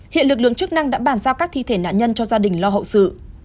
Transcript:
hiện lực lượng chức năng đã bàn giao các thi thể nạn nhân cho gia đình lo hậu sự